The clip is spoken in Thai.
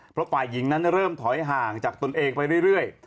เพราะฝ่ายหญิงนั้นเริ่มถอยห่างจากตนเองไปเรื่อย